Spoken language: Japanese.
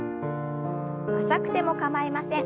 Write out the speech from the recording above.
浅くても構いません。